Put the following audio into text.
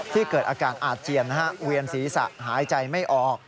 เกิดอาการอาเจียนเวียนศีรษะหายใจไม่ออก